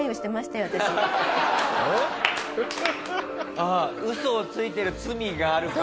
ああウソをついてる罪があるから。